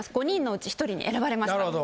５人のうち１人に選ばれてました」。